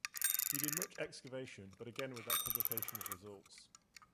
He did much excavation, but again without publication of results.